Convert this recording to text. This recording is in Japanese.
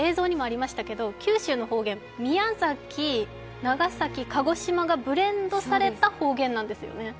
九州の方言、宮崎、長崎、鹿児島がブレンドされた方言なんですよね。